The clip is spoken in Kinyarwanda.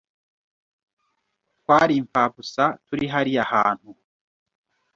Twari impfabusa turi hariya hantu.